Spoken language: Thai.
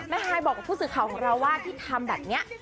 ฮายบอกกับผู้สื่อข่าวของเราว่าที่ทำแบบนี้